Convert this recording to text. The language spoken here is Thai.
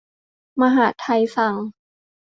มหาดไทยสั่ง